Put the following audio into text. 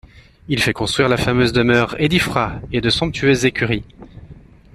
Il fait construire la fameuse demeure Edifra et de somptueuses écuries.